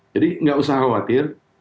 jadi nggak usah khawatir